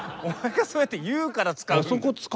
お前がそうやって言うから使うんだよ。